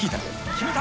決めた！